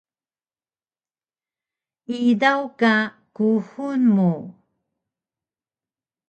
Idaw ka kuxul mu